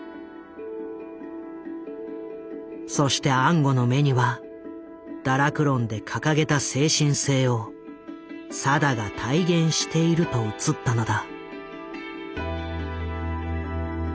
そして安吾の目には「堕落論」で掲げた精神性を定が体現していると映ったのだ。